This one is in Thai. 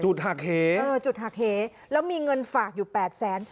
หักเหจุดหักเหแล้วมีเงินฝากอยู่แปดแสน